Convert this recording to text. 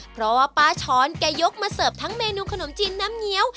เพราะว่าป้าช้อนแกยกมาเสิร์ฟทั้งเมนูขนมจีนน้ำเงี้ยว